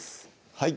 はい